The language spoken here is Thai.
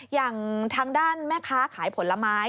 อย่างทางด้านแม่ค้าขายผลไม้